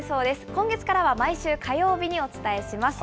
今月からは毎週火曜日にお伝えします。